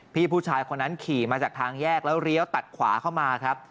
ผู้ชายคนนั้นขี่มาจากทางแยกแล้วเลี้ยวตัดขวาเข้ามาครับ